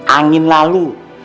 angin lah lu